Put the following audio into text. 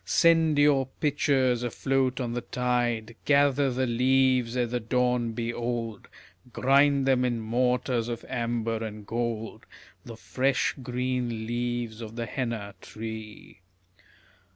Send your pitchers afloat on the tide, Gather the leaves ere the dawn be old, Grind them in mortars of amber and gold, The fresh green leaves of the henna tree.